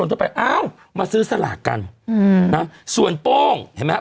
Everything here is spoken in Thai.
ประชาชนเข้าไปเอ้ามาซื้อสลากกันอืมนะส่วนโป้งเห็นไหมฮะ